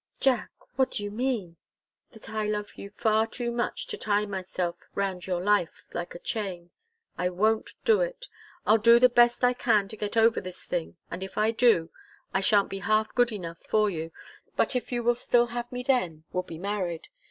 "Jack what do you mean?" "That I love you far too much to tie myself round your life, like a chain. I won't do it. I'll do the best I can to get over this thing and if I do I shan't be half good enough for you but if you will still have me then, we'll be married.